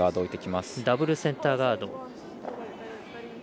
ダブルセンターガード。